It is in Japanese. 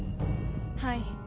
はい。